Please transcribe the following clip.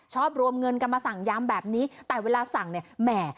รวมเงินกันมาสั่งยำแบบนี้แต่เวลาสั่งเนี่ยแหม